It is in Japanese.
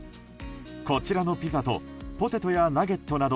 こちらのピザとポテトやナゲットなど